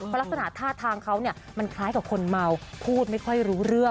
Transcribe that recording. เพราะลักษณะท่าทางเขามันคล้ายกับคนเมาพูดไม่ค่อยรู้เรื่อง